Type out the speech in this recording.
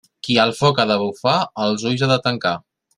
Qui al foc ha de bufar, els ulls ha de tancar.